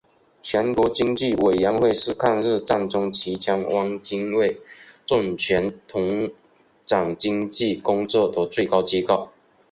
全国经济委员会是抗日战争期间汪精卫政权统掌经济工作的最高机构。